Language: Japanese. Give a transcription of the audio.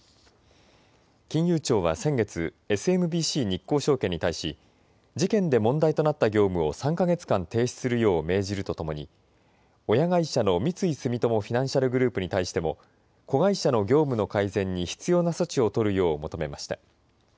金融庁は先月、ＳＭＢＣ日興証券に対し事件で問題となった業務を３か月間停止するよう命じるとともに親会社の三井住友フィナンシャルグループに対しても子会社の業務の改善に必要な措置を取るよう求めました。